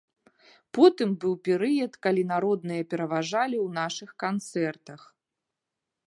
Потым быў перыяд, калі народныя пераважалі ў нашых канцэртах.